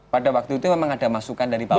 pada waktu itu memang ada masukan dari bawaslu